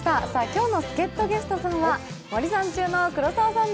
今日の助っとゲストさんは森三中の黒沢さん